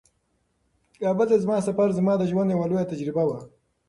کابل ته زما سفر زما د ژوند یوه لویه تجربه وه.